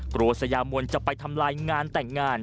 เกลียดจะไปทำลายงานแต่งงาน